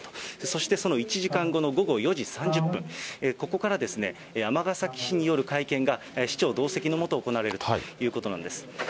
そしてその１時間後の午後４時３０分、ここから尼崎市による会見が市長同席のもと、行われるということなんです。